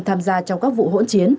tham gia trong các vụ hỗn chiến